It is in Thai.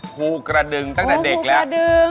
ภูกระดึงตั้งแต่เด็กแล้ว